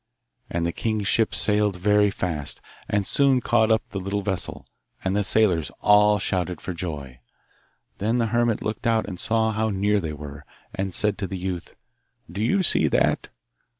And the king's ships sailed very fast, and soon caught up the little vessel, and the sailors all shouted for joy. Then the hermit looked out and saw how near they were, and he said to the youth, 'Do you see that?